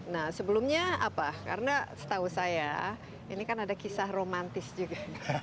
nah sebelumnya apa karena setahu saya ini kan ada kisah romantis juga